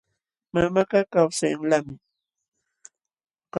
Mamakaq kawsayanlaqmi.